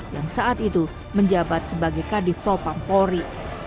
yang saat itu menjabat sebagai kadif popang pori